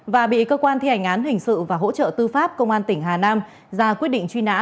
và bị cơ quan thi hành án hình sự và hỗ trợ tư pháp công an tỉnh hà nam ra quyết định truy nã